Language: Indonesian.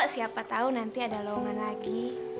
siapa tau nanti ada lowongan lagi